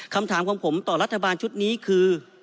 คำถามของผมต่อรัฐบาลชุดนี้คือ